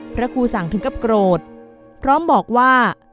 พระครูสังถึงกับโกรธพร้อมบอกว่า